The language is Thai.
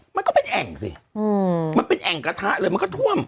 มันก็เป็นแอ่งสิมันเป็นแอ่งกระทะเลยมันก็ท่วม